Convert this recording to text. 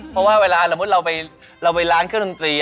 เพราะว่าเวลาสมมุติเราไปร้านเครื่องดนตรี